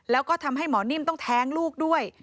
แล้วก็ทำให้หมอนิ่มต้องแท้งลูกด้วย